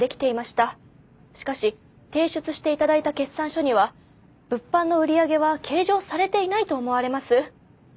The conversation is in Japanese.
しかし提出して頂いた決算書には物販の売り上げは計上されていないと思われます。